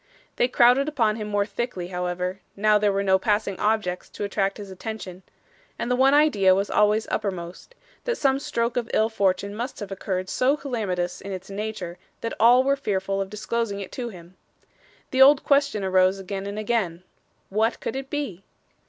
They crowded upon him more thickly, however, now there were no passing objects to attract his attention; and the one idea was always uppermost, that some stroke of ill fortune must have occurred so calamitous in its nature that all were fearful of disclosing it to him. The old question arose again and again What could it be?